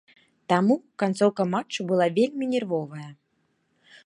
Таму канцоўка матчу была вельмі нервовая.